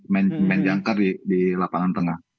main jangkar di lapangan tengah